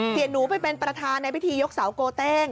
เสียหนูไปเป็นประธานในพิธียกเสาโกเต้ง